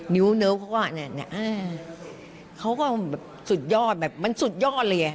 นิ้วเนิ้วเขาก็แบบนี่สุดยอดมันสุดยอดเลย